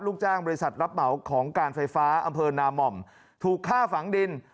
ลูกจ้างบริษัทรับเหมาของการไฟฟ้าอำเภอนาม่อมถูกฆ่าฝังดิน